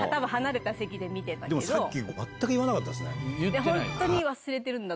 でもさっき全く言わなかったですね。